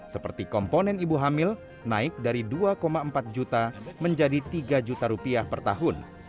seperti komponen ibu hamil naik dari dua empat juta menjadi tiga juta rupiah per tahun